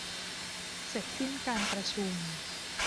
เสร็จสิ้นการประชุม